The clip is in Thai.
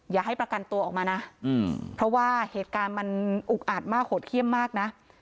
อย่าให้ประกันตัวออกมานะเพราะว่าเหตุการณ์มันอุกอาจมากโหดเขี้ยมมากนะ